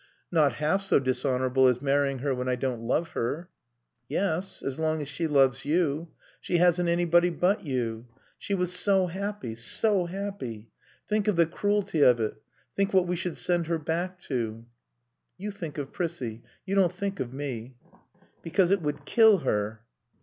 "Not half so dishonorable as marrying her when I don't love her." "Yes. As long as she loves you. She hasn't anybody but you. She was so happy. So happy. Think of the cruelty of it. Think what we should send her back to." "You think of Prissie. You don't think of me." "Because it would kill her."